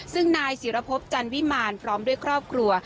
ซึ่งนายศิรพบจันวิมารพร้อมด้วยครอบครัว